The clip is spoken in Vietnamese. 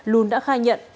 lún đã khai nhận